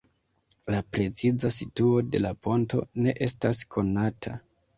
La preciza situo de la ponto ne estas konata.